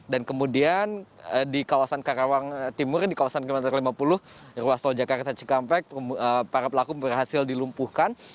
dan kemudian di kawasan karawang timur di kawasan kilometer lima puluh ruas tol jakarta cikampek para pelaku berhasil dilumpuhkan